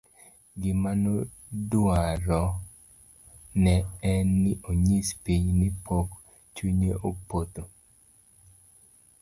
gimanoduaro ne en ni onyis piny ni pok chunye obotho